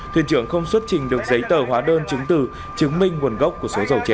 thuyền trưởng không xuất trình được giấy tờ hóa đơn chứng từ chứng minh nguồn gốc của số dầu trên